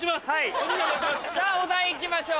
さぁお題行きましょう。